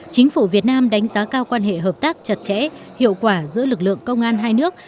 chính phủ việt nam đánh giá cao quan hệ hợp tác chặt chẽ hiệu quả giữa lực lượng công an hai nước